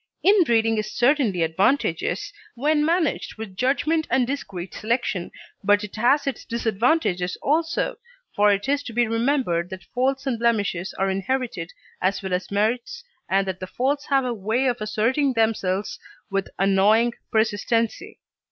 Inbreeding is certainly advantageous when managed with judgment and discreet selection, but it has its disadvantages also, for it is to be remembered that faults and blemishes are inherited as well as merits, and that the faults have a way of asserting themselves with annoying persistency.